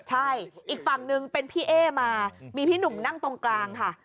ใช่อีกฝั่งนึงเป็นพี่เอ๊มามีพี่หนุ่มนั่งตรงกลางค่ะ